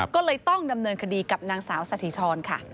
ก็เลยต้องดำเนินคดีกับนางสาวสถิธรค่ะ